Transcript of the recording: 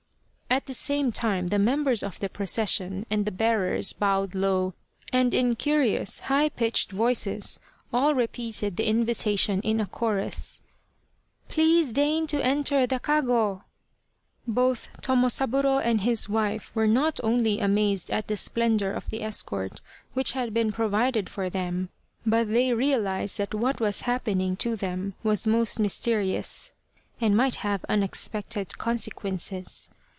At the same time the members of the procession * Kago = palanquins. The Spirit of the Lantern and the bearers bowed low, and in curious high pitched voices all repeated the invitation in a chorus :" Please deign to enter the kago !" Both Tomosaburo and his wife were not only amazed at the splendour of the escort which had been provided for them, but they realized that what was happening to them was most mysterious, and might have unex pected consequences.